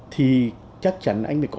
thì chắc chắn anh phải có